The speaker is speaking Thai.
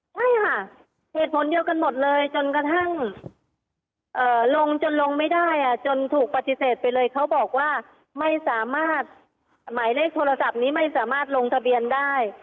ใช่ค่ะเหตุผลเดียวกันหมดเลยจนกระทั่งลงจนลงไม่ได้จนถูกปฏิเสธไปเลยเขาบอกว่าไม่สามารถหมายเลขโทรศัพท์นี้ไม่สามารถลงทะเบียนได้